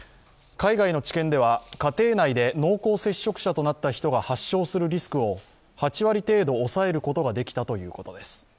海外の治験では家庭内で濃厚接触者となった人が発症するリスクを８割程度抑えることができたということです。